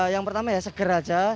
yang pertama ya seger aja